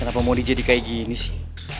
kenapa modi jadi kayak gini sih